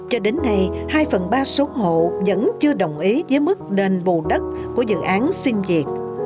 cho đến nay hai phần ba số hộ vẫn chưa đồng ý với mức đền bù đất của dự án xin việc